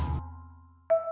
guntur itu anak yang cerdas